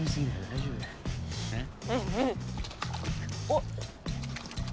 あっ？